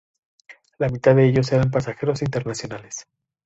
La mitad de ellos eran pasajeros internacionales.